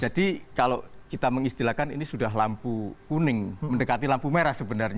kalau kita mengistilahkan ini sudah lampu kuning mendekati lampu merah sebenarnya